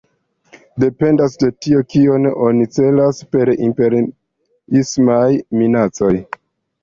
Dependas de tio, kion oni celas per “imperiismaj minacoj”.